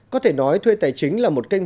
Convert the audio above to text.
có thể nói thuê tài chính là một kênh